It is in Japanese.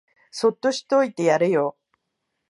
そっとしといてやれよ